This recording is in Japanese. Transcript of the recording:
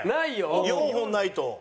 ４本ないと。